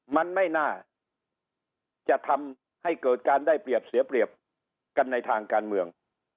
มันไม่น่าจะทำให้เกิดการได้เปรียบเสียเปรียบกันในทางการเมือง